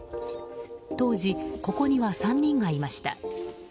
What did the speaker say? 当時、ここには３人がいました。